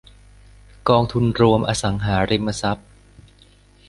กองทุนรวมอสังหาริมทรัพย์